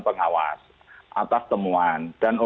begitu ya kedepannya